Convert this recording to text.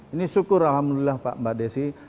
ini syukur alhamdulillah pak mbak desi